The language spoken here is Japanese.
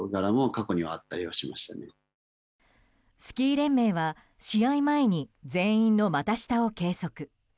スキー連盟は試合前に全員の股下を計測。